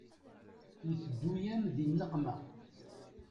Iteddu-yam di nneqma.